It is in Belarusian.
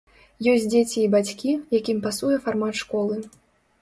Ёсць дзеці і бацькі, якім пасуе фармат школы.